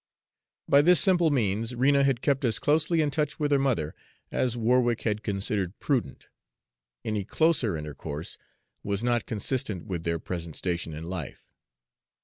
By this simple means Rena had kept as closely in touch with her mother as Warwick had considered prudent; any closer intercourse was not consistent with their present station in life.